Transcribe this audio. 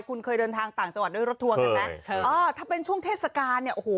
คุณเคยเดินทางต่างจังหวัดด้วยรถทัวร์กันไหมอ่าถ้าเป็นช่วงเทศกาลเนี่ยโอ้โห